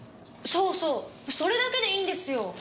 そうそうそれだけでいいんですよ。